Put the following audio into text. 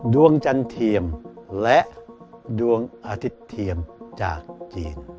จันเทียมและดวงอาทิตย์เทียมจากจีน